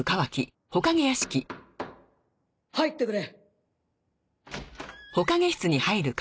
入ってくれ。